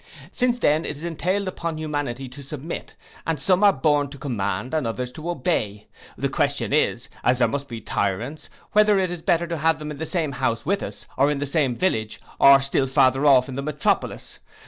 Since then it is entailed upon humanity to submit, and some are born to command, and others to obey, the question is, as there must be tyrants, whether it is better to have them in the same house with us, or in the same village, or still farther off, in the metropolis.